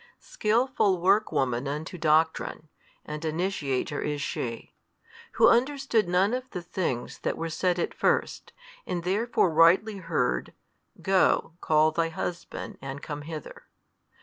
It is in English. Skilful workwoman unto doctrine, and initiater is she, who understood none of the things that were said at first, and therefore rightly heard, Go, call thy husband and come hither.